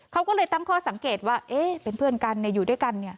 เขาก็เลยตั้งข้อสังเกตว่าเป็นเพื่อนกันอยู่ด้วยกัน